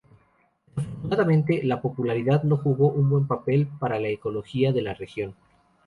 Desafortunadamente, la popularidad no jugó un buen papel para la ecología de la región.